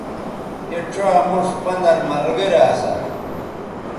اے ڇا موش پندَر ملگرے اسا